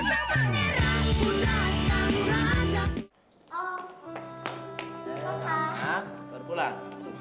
hah baru pulang